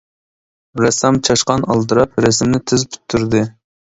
‹ ‹رەسسام چاشقان› › ئالدىراپ، رەسىمنى تىز پۈتتۈردى.